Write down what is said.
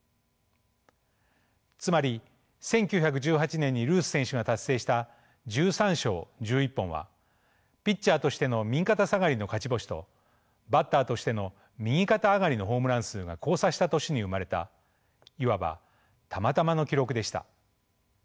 つまり１９１８年にルース選手が達成した「１３勝１１本」はピッチャーとしての右肩下がりの勝ち星とバッターとしての右肩上がりのホームラン数が交差した年に生まれたいわばたまたまの記録でした。